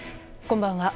こんばんは。